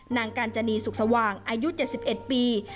นางกาญจนีสุขสว่างอายุ๗๑ปี